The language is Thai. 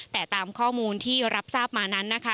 แต่ตามข้อมูลที่รับทราบมานั้นนะคะ